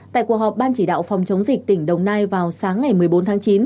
tại cuộc họp ban chỉ đạo phòng chống dịch tỉnh đồng nai vào sáng ngày một mươi bốn tháng chín